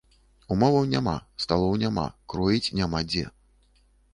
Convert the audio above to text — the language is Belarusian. Умоваў няма, сталоў няма, кроіць няма дзе.